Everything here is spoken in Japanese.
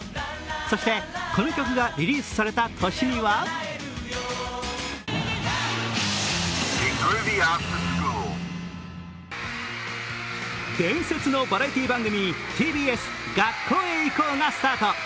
そしてこの曲がリリースされた年には伝説のバラエティ番組、ＴＢＳ「学校へ行こう！」がスタート。